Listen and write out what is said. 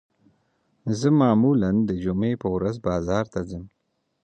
زه معمولاً د جمعې په ورځ بازار ته ځم